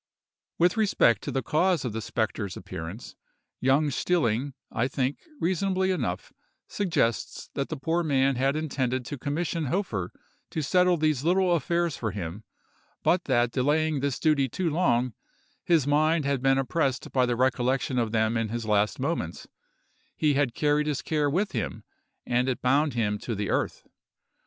With respect to the cause of the spectre's appearance, Jung Stilling, I think, reasonably enough, suggests that the poor man had intended to commission Hofer to settle these little affairs for him, but that delaying this duty too long, his mind had been oppressed by the recollection of them in his last moments—he had carried his care with him, and it bound him to the earth.